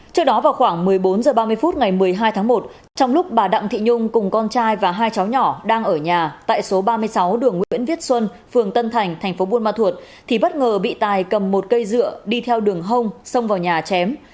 trước đó vào khoảng một mươi bốn h ba mươi phút ngày một mươi hai tháng một trong lúc bà đặng thị nhung cùng con trai và hai cháu nhỏ đang ở nhà tại số ba mươi sáu đường nguyễn viết xuân phường tân thành thành phố buôn ma thuột thì bất ngờ bị tài cầm một cây dựa đi theo đường hông xông vào nhà chém